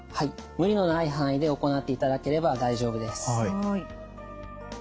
無理のない範囲で行っていただければ大丈夫です。